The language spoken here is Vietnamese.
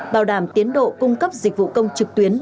bảo đảm tiến độ cung cấp dịch vụ công trực tuyến